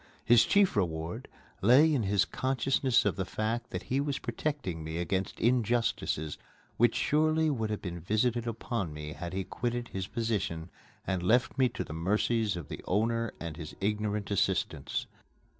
His chief reward lay in his consciousness of the fact that he was protecting me against injustices which surely would have been visited upon me had he quitted his position and left me to the mercies of the owner and his ignorant assistants.